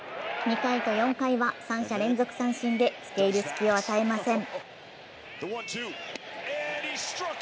２回と４回は三者連続三振でつけ入る隙を与えません。